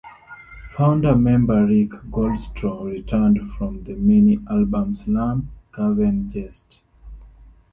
Founder member Rick Goldstraw returned for the mini-album Slum-Cavern-Jest!